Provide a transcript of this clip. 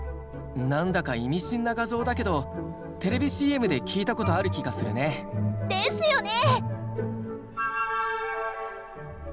なんだか意味深な画像だけどテレビＣＭで聴いたことある気がするね。ですよね！